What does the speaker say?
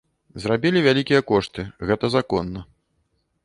Зрабілі вялікія кошты, гэта законна.